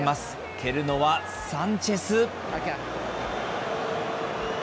蹴るのはサンチェス。